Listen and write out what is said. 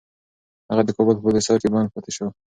هغه د کابل په بالاحصار کي بند پاتې شو.